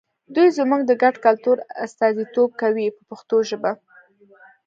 دوی زموږ د ګډ کلتور استازیتوب کوي په پښتو ژبه.